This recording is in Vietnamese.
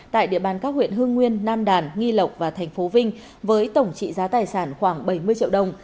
tại địa bàn các huyện hương nguyên nam đàn nghi lộc và thành phố vinh với tổng trị giá tài sản khoảng bảy mươi triệu đồng